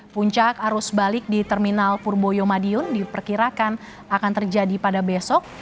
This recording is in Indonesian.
puncak arus balik di terminal purboyo madiun diperkirakan akan terjadi pada besok